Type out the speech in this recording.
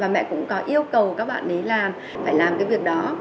mẹ cũng yêu cầu các bạn lấy làm phải làm việc đó